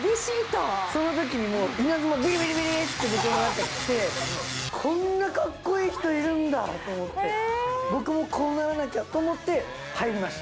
そのときにもう、稲妻、びりびりびりーって、僕の中に来て、こんなかっこいい人いるんだと思って、僕もこうならなきゃと思って、入りました。